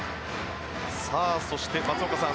そして、松岡さん